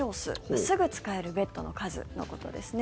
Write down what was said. すぐ使えるベッドの数のことですね。